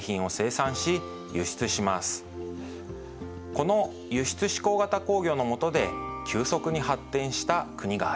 この輸出指向型工業のもとで急速に発展した国があります。